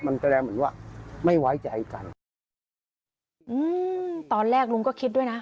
มันแปลว่าไม่ไว้ใจกันอืมตอนแรกลุงก็คิดด้วยน่ะ